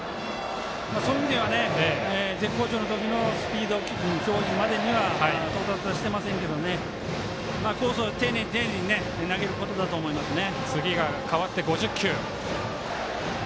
絶好調の時のスピード表示までは到達してませんけどコースを丁寧に丁寧に投げることだと思いますね。